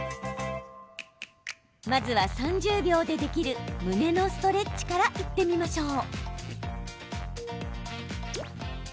まずは３０秒でできる胸のストレッチからいってみましょう。